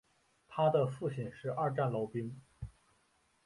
他的父亲是二战老兵。